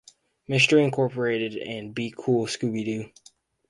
Mystery Incorporated" and "Be Cool, Scooby-Doo!